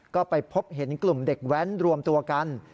ก็ไปพบเห็นกลุ่มเด็กแว้นรวมตัวกัน